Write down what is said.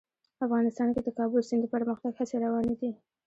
افغانستان کې د کابل سیند د پرمختګ هڅې روانې دي.